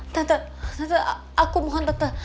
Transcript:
tante aku mohon tante